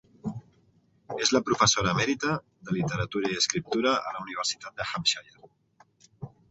És la professora Emerita de literatura i escriptura a la Universitat de Hampshire.